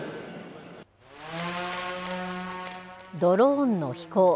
ドローンの飛行。